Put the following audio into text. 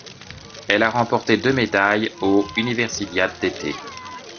Elle a remporté deux médailles aux Universiades d'été.